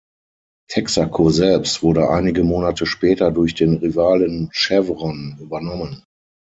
Texaco selbst wurde einige Monate später durch den Rivalen Chevron übernommen.